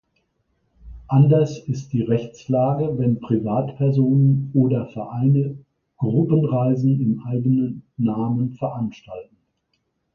Anders ist die Rechtslage, wenn Privatpersonen oder Vereine Gruppenreisen im eigenen Namen veranstalten.